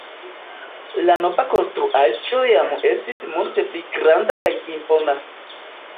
La nova konstruaĵo jam estis multe pli granda kaj impona.